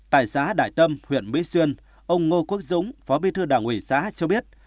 tại xã đại tâm huyện mỹ xuyên ông ngô quốc dũng phó bi thư đảng ủy xã cho biết